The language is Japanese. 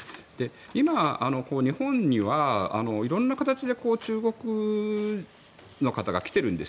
今、日本には色んな形で中国の方が来ているんです。